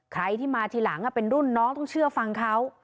ใครที่มาทีหลังเป็นรุ่นน้องต้องเชื่อฟังเขา